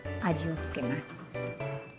味をつけます。